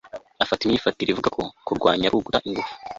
afata imyifatire ivuga ko kurwanya ari uguta ingufu